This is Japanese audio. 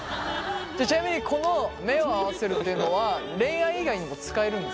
じゃあちなみにこの目を合わせるっていうのは恋愛以外にも使えるんですか？